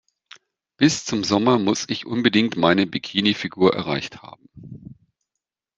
Bis zum Sommer muss ich unbedingt meine Bikini-Figur erreicht haben.